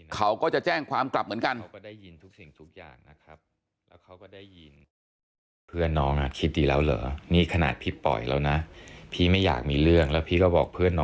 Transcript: เขาก็จะแจ้งความกลับเหมือนกันนะครับ